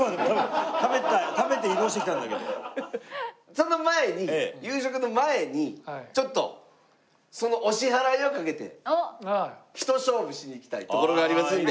その前に夕食の前にちょっとそのお支払いを賭けて一勝負しに行きたい所がありますんで。